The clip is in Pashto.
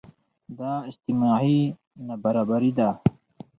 دا اجتماعي نابرابري ده.